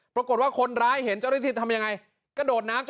ปรากฏว่าคนร้ายเห็นเจ้าสิทธิ์ทำอย่างไรกะโดดไหว้หนีเลยฮะ